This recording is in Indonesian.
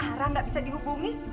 ara gak bisa dihubungi